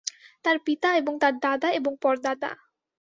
তার পিতা এবং তার দাদা এবং পরদাদা!